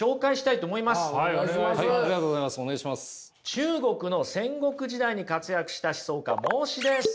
中国の戦国時代に活躍した思想家孟子です。